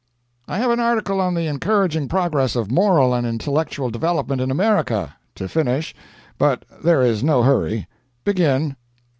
"I have an article on the 'Encouraging Progress of Moral and Intellectual Development in America' to finish, but there is no hurry. Begin."